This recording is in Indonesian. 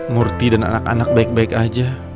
murti dan anak anak baik baik aja